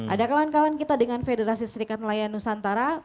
ada kawan kawan kita dengan federasi serikat nelayan nusantara